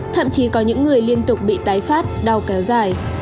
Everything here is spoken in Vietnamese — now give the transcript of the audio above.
thậm chí có những người liên tục bị tái phát đau kéo dài